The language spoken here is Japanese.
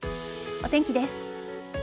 お天気です。